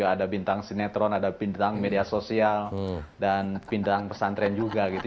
ada bintang sinetron ada bintang media sosial dan bintang pesantren juga gitu